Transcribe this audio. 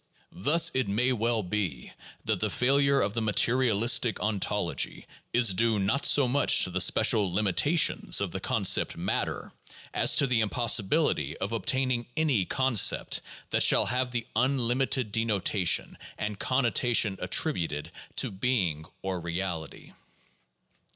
Thus it may well be that the failure of the materialistic ontology is due not so much to the special limitations of the concept matter, as to the impossibility of obtaining any concept that shall have the unlimited denotation and connotation attributed to being or reality.